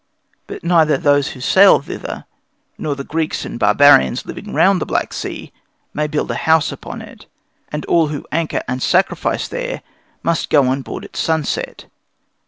But neither those who sail thither, nor the Greeks and barbarians living round the Black Sea, may build a house upon it; and all who anchor and sacrifice there must go on board at sunset.